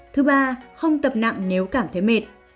thứ ba không tập nặng nếu cảm thấy mệt